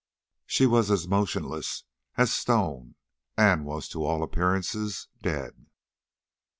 She was motionless as stone, and was, to all appearance, dead.